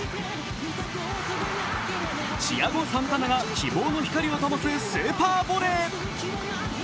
チアゴ・サンタナが希望の光をともすスーパーボレー。